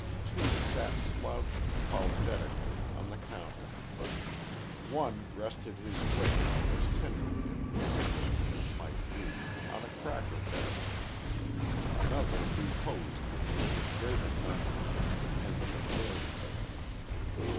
Two sat slouching, apologetically, on the counter. One rested his weight, as tenderly and considerately as might be, on a cracker barrel. Another reposed with a look of greater confidence on the end of a nail keg.